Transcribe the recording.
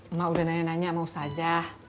emak udah nanya nanya sama ustaz jah